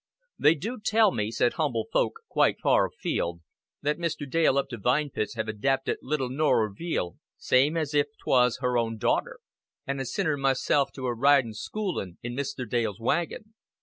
"They do tell me," said humble folk quite far afield, "that Mr. Dale up to Vine Pits hev adapted little Norrer Veale same as if 'twas his own darter; and I sin her myself ridin' to her schoolin' in Mr. Dale's wagon.